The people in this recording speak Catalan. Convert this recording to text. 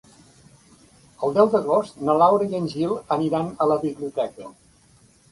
El deu d'agost na Laura i en Gil aniran a la biblioteca.